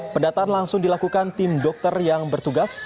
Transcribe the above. pendataan langsung dilakukan tim dokter yang bertugas